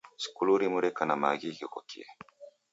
Skulu rimu reka na maaghi ghighokie.